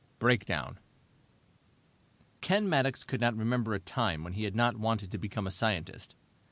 Breakdown Ken Maddox could not remember a time when he had not wanted to become a scientist.